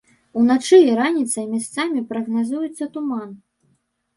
Уначы і раніцай месцамі прагназуецца туман.